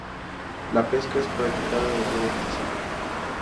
La pesca es practicada de forma artesanal.